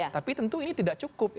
tapi tentu ini tidak cukup